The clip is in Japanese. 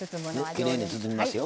きれいに包みますよ。